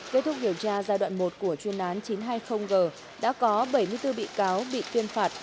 kết thúc điều tra giai đoạn một của chuyên án chín trăm hai mươi g đã có bảy mươi bốn bị cáo bị tuyên phạt